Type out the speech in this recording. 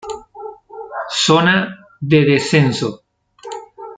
Zona de descenso.